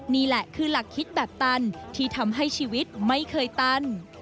นี่แหละคือหลักคิดแบบตันที่ทำให้ชีวิตไม่เคยตัน